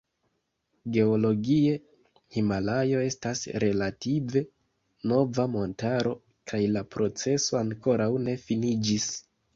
Geologie Himalajo estas relative nova montaro kaj la proceso ankoraŭ ne finiĝis.